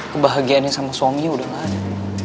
kebahagiaannya sama suami udah gak ada